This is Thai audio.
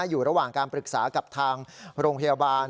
อยู่ระหว่างการปรึกษากับทางโรงพยาบาล